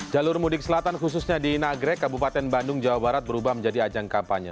jalur mudik selatan khususnya di nagrek kabupaten bandung jawa barat berubah menjadi ajang kampanye